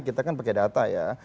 kita kan pakai data ya